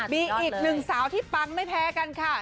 มีอีกหนึ่งสาวที่ปังไม่แพ้กันค่ะ